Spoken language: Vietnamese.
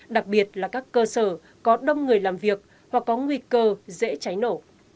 đặc biệt là các cơ sở có đông người làm việc hoặc có nguy cơ dễ cháy nổ